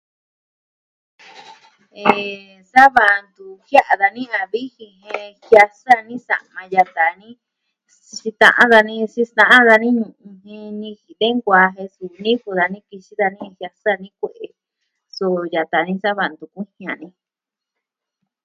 Eh... sava ntu jia'a dani da vijin jen, jiaa sa ni sama yata ni. xita a dani sita a dani. Ñiji tee nkuaa je suu niko dani, kixi dani jiaa sa ni kue'e. Su yata ni sava ntu kujii a ni.